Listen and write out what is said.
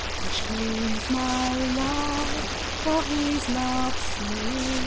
Which claims my love for his love's sake.